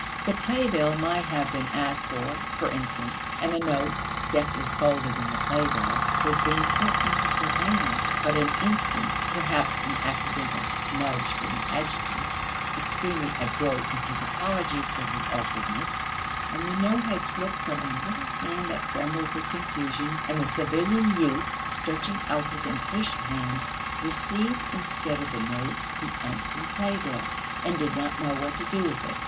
The playbill might have been asked for, for instance, and the note, deftly folded in the playbill, was being put into her hands; but an instant, perhaps an accidental, nudge from the adjutant, extremely adroit in his apologies for his awkwardness, and the note had slipped from a little hand that trembled with confusion, and the civilian youth, stretching out his impatient hand, received instead of the note, the empty playbill, and did not know what to do with it.